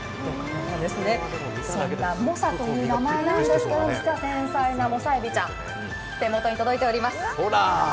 そんな猛者という名前なんですけど、実は繊細なモサエビちゃん、手元に届いております。